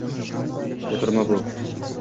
O’ltirma bu